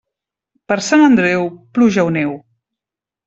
Per Sant Andreu, pluja o neu.